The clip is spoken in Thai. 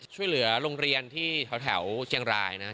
ช่วยเหลือโรงเรียนที่แถวเชียงรายนะครับ